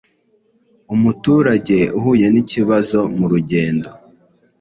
umuturage uhuye n’ikibazo mu rugendo,